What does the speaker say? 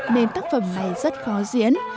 nên tác phẩm này rất khó dùng